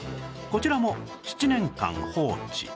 こちらも７年間放置